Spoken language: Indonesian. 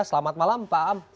selamat malam pak am